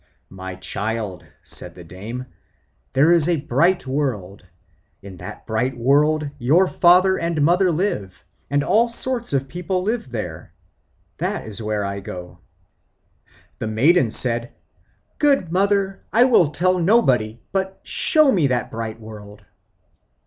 "My child," said the old dame, "there is a bright world. In that bright world your father and mother live, and all sorts of people live there. That is where I go." The maiden said, "Good mother, I will tell nobody, but show me that bright world."